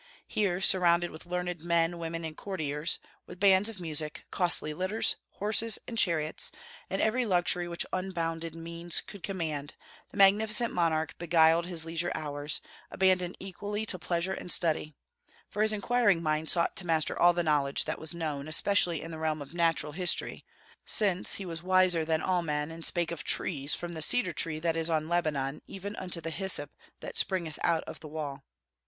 Here, surrounded with learned men, women, and courtiers, with bands of music, costly litters, horses and chariots, and every luxury which unbounded means could command, the magnificent monarch beguiled his leisure hours, abandoned equally to pleasure and study, for his inquiring mind sought to master all the knowledge that was known, especially in the realm of natural history, since "he was wiser than all men, and spake of trees, from the cedar tree that is on Lebanon even unto the hyssop that springeth out of the wall."